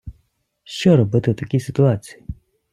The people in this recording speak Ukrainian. Що робити в такій ситуації?